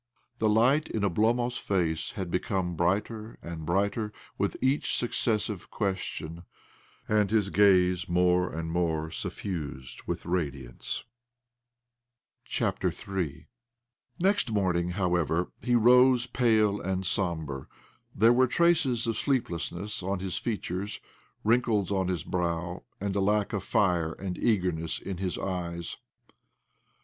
The light in Oblomov's face had become brighter and brighter with each successive question, d,nd his gaze more and more suf fused with radiance. Ill Next morning, however, he rose pale and sombre. There were traces of sleeplessness on his features, wrinkles on his brow, and a lack of fire and eagerness in his eyes.